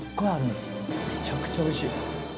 むちゃくちゃおいしい。